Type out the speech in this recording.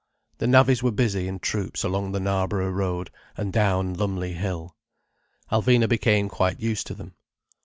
The navvies were busy in troops along the Knarborough Road, and down Lumley Hill. Alvina became quite used to them.